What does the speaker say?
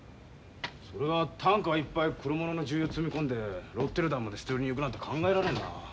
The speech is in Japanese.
それがタンカーいっぱいクロモノの重油積み込んでロッテルダムまで捨て売りに行くなんて考えられんな。